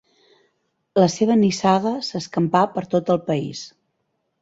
La seva nissaga s'escampà per tot el país.